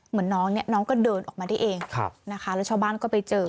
เหมือนน้องเนี่ยน้องก็เดินออกมาได้เองนะคะแล้วชาวบ้านก็ไปเจอ